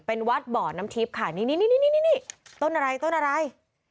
เป็นวัดบ่อน้ำทิพย์ค่ะนี่ต้นอะไร